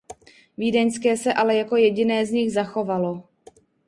Vídeňské se ale jako jediné z nich zachovalo.